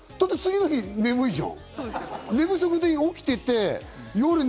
次の日だって眠いじゃん！